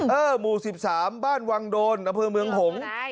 หมู่๑๓บ้านวังโดนอำเภอเมืองหงษ์